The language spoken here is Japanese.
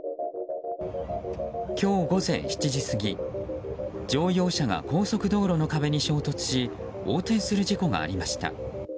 今日午前７時過ぎ乗用車が高速道路の壁に衝突し横転する事故がありました。